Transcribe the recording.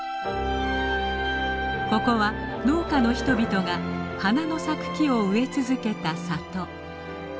ここは農家の人々が花の咲く木を植え続けた里。